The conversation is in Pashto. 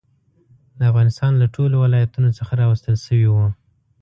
د افغانستان له ټولو ولایتونو څخه راوستل شوي وو.